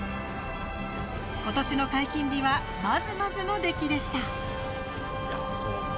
今年の解禁日はまずまずの出来でした。